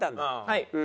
はい。